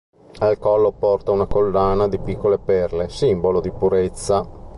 Al collo porta una collana di piccole perle simbolo di purezza.